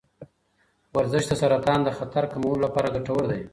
ورزش د سرطان د خطر کمولو لپاره ګټور دی.